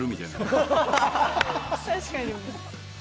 確かに。